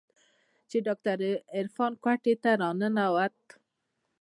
چې ډاکتر عرفان کوټې ته راننوت.